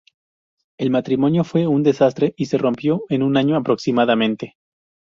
El matrimonio fue un desastre y se rompió en un año aproximadamente.